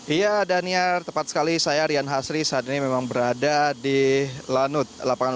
iya daniar tepat sekali saya rian hasri saat ini memang berada di lanut